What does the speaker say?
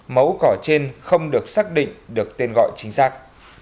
mẫu cỏ trên không được xác định được tên gọi chính xác